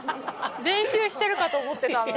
練習してるかと思ってたのに。